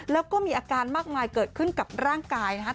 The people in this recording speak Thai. แล้วก็มีอาการมากมายเกิดขึ้นกับร่างกายนะครับ